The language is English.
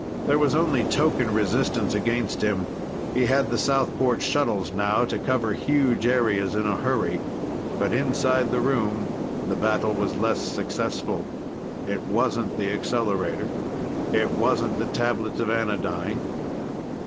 There was only token resistance against him. He had the Southport shuttles now to cover huge areas in a hurry. But inside the room, the battle was less successful. It wasn't the accelerator. It wasn't the tablets of anodyne.